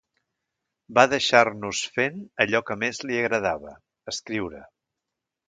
Va deixar-nos fent allò que més li agradava: escriure.